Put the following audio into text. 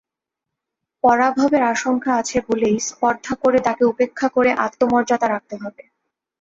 পরাভবের আশঙ্কা আছে বলেই স্পর্ধা করে তাকে উপেক্ষা করে আত্মমর্যাদা রাখতে হবে।